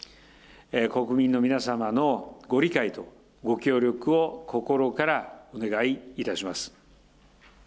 国民の皆様のご理解とご協力を心からお願いいたします。